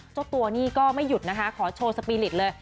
เจ้าตัวนี่ก็ไม่หยุดนะคะขอโชว์สปีริตเลย